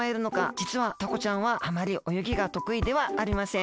じつはタコちゃんはあまりおよぎがとくいではありません。